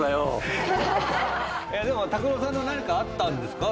でも拓郎さん何かあったんですか？